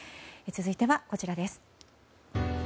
続いてはこちらです。